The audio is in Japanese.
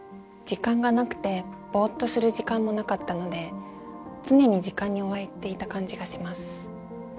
時間がなくてボッとする時間もなかったので常に時間に追われていた感じがします。